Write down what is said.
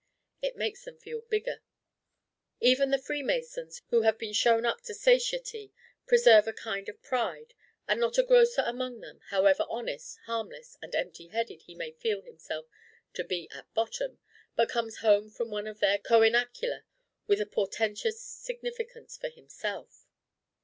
It makes them feel bigger. Even the Freemasons, who have been shown up to satiety, preserve a kind of pride; and not a grocer among them, however honest, harmless, and empty headed he may feel himself to be at bottom, but comes home from one of their coenacula with a portentous significance for himself.